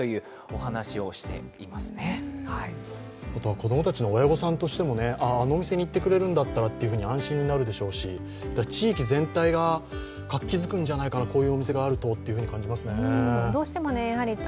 子供たちの親御さんとしても、あのお店に行ってくれるんだったらということで安心になるでしょうし、地域全体が活気づくんじゃないかな、こういうお店があると、と感じますよね。